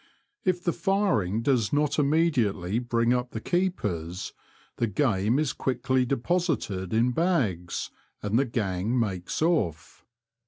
If the firing does not immediately bring up the keepers, the game is quickly deposited in bags, and the gang makes off.